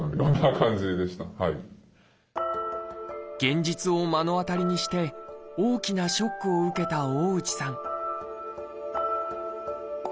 現実を目の当たりにして大きなショックを受けた大内さん